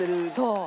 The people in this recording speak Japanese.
そう。